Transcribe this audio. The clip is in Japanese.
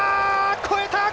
越えた！